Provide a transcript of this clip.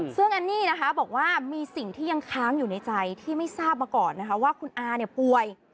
ซึ่งแอนนี่นะคะบอกว่ามีสิ่งที่ยังค้างอยู่ในใจที่ไม่ทราบมาก่อนนะคะว่าคุณอาเนี่ยป่วย